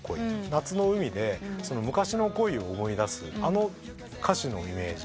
夏の海で昔の恋を思い出すあの歌詞のイメージ